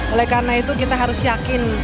oleh karena itu kita harus yakin